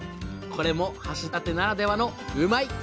これも橋立ならではのうまいッ！